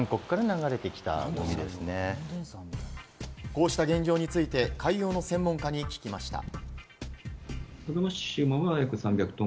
こうした現状について、海洋の専門家に聞きました。